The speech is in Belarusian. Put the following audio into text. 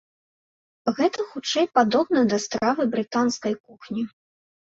Гэта хутчэй падобна да стравы брытанскай кухні!